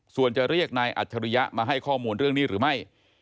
ส่วนจะเรียกนายอัจฉริยะมาให้ข้อมูลเรื่องนี้หรือไม่